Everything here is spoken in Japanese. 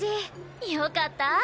よかった！